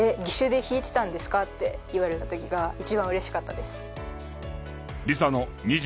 義手で弾いてたんですか？」って言われた時が一番嬉しかったです。